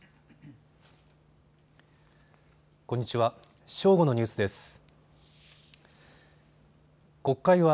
こんにちは。